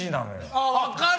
あ分かる！